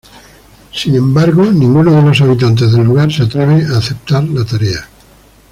Sin embargo, ninguno de los habitantes del lugar se atreve a aceptar la tarea.